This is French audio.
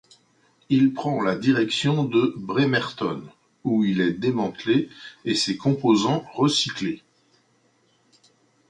Il prend la direction de Bremerton où il est démantelé et ses composants recyclés.